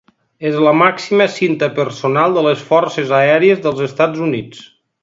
És la màxima cinta personal de les Forces Aèries dels Estats Units.